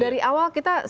dari awal kita